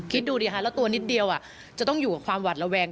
คิดดูดิฮะแล้วตัวนิดเดียวจะต้องอยู่กับความหวัดระแวง